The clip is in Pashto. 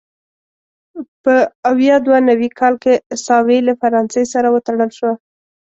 په ویا دوه نوي کال کې ساوې له فرانسې سره وتړل شوه.